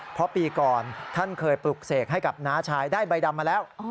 เพราะปีก่อนท่านเคยปลุกเสกให้กับน้าชายได้ใบดำมาแล้ว